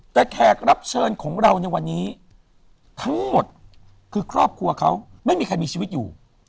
แต่แขกรับเชิญของเราในวันนี้ทั้งหมดคือครอบครัวเขาไม่มีใครมีชีวิตอยู่